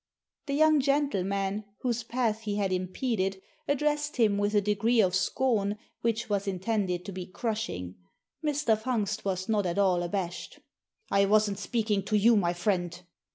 The young gentleman whose path he had impeded addressed him with a degree of scorn which was intended to be crushing. Mr. Fungst was not at all abashed. "I wasn't speaking to you, my friend."